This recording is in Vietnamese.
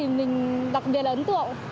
mình đặc biệt là ấn tượng